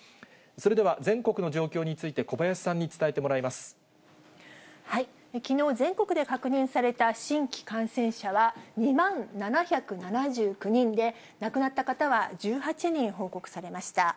それでは全国の状況について、きのう、全国で確認された新規感染者は、２万７７９人で、亡くなった方は１８人報告されました。